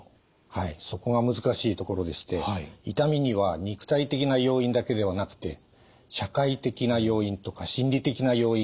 はいそこが難しいところでして痛みには肉体的な要因だけではなくて社会的な要因とか心理的な要因が影響します。